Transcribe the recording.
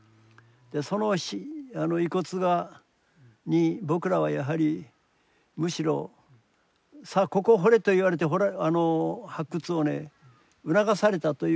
その遺骨に僕らはやはりむしろ「さあここを掘れ」と言われて発掘をね促されたというか。